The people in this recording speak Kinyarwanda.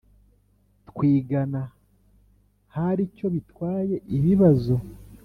twigana hari icyo bitwaye Ibibazo